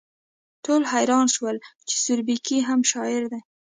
ټول حیران شول چې سوربګی هم شاعر دی